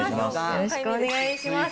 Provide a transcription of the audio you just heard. よろしくお願いします。